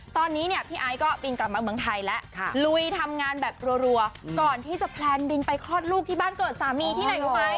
ตอนนี้เนี่ยพี่ไอซ์ก็บินกลับมาเมืองไทยแล้วลุยทำงานแบบรัวก่อนที่จะแพลนบินไปคลอดลูกที่บ้านเกิดสามีที่ไหนรู้ไหม